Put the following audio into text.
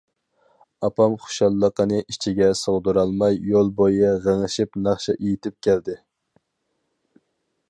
ئاپام خۇشاللىقىنى ئىچىگە سىغدۇرالماي يول بويى غىڭشىپ ناخشا ئېيتىپ كەلدى.